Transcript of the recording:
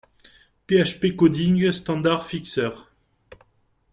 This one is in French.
PHP Coding Standard Fixer.